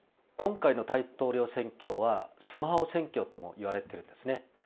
今回の大統領選挙は、スマホ選挙ともいわれてるんですね。